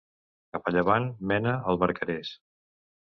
Cap a llevant, mena al Barcarès.